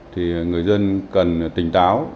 thì người dân cần tỉnh táo